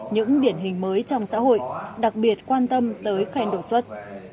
những điển hình mới trong xã hội đặc biệt quan tâm tới khen đột xuất